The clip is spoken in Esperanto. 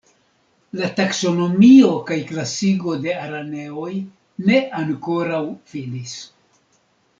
La taksonomio kaj klasigo de araneoj ne ankoraŭ finis.